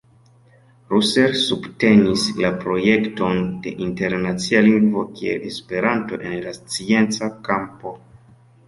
Russell subtenis la projekton de internacia lingvo kiel esperanto en la scienca kampo.